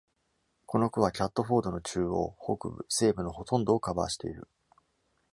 この区は、キャットフォードの中央、北部、西部のほとんどをカバーしている。